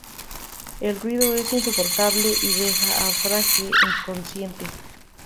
El ruido es insoportable, y deja a Frankie inconsciente.